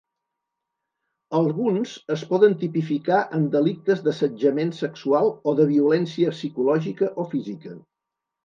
Alguns es poden tipificar en delictes d'assetjament sexual o de violència psicològica o física.